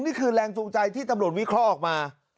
นี่คือแรงจูงใจที่ตำรวจวิเคราะห์ออกมา